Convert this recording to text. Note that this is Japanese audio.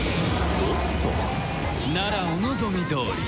おっとならお望みどおり。